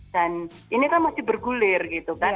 dan ini kan masih bergulir gitu kan